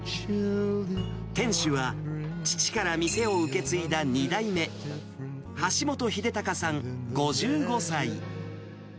店主は、父から店を受け継いだ２代目、橋本英貴さん５５歳。